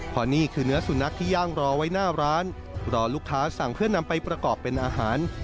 เพราะนี่คือเนื้อสุนัขที่ย่างรอไว้หน้าร้านรอลูกค้าสั่งเพื่อนำไปประกอบเป็นอาหาร